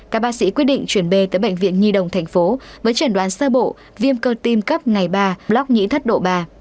các bác sĩ quyết định chuyển b tới bệnh viện nhi đồng thành phố với chẩn đoán sơ bộ viêm cơ tim cấp ngày ba block nhĩ thất độ ba